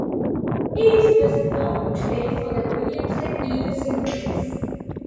He is best known today for the Williamson ether synthesis.